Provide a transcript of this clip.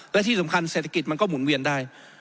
และที่สำคัญเศรษฐกิจมันก็หมุนเวียนได้